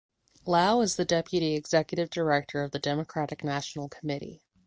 Lau is the deputy executive director of the Democratic National Committee.